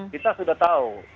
kita sudah tahu